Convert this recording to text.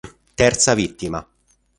Terza vittima.